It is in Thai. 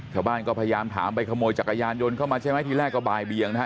พยายามถามไปขโมยจักรยานยนต์เข้ามาใช่ไหมที่แรกก็บ่ายเบียงนะฮะ